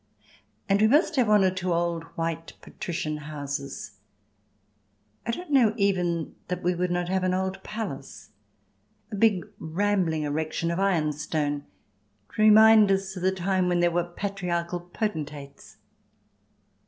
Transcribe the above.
And we must have one or two old white patrician houses. I don't know even that we would not have an old palace, a big, rambling erection of ironstone, to remind us of the time when there were patriarchal potentates.